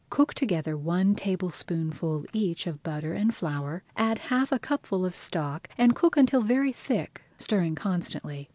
Cook together one tablespoonful each of butter and flour, add half a cupful of stock and cook until very thick, stirring constantly.